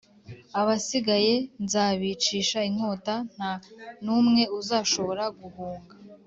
abasigaye nzabicisha inkota; nta n’umwe uzashobora guhunga,